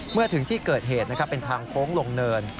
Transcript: เมื่อถึงที่เกิดเหตุเป็นทางโค้งลงเนิน